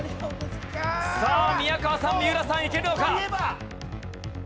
さあ宮川さん三浦さんいけるのか？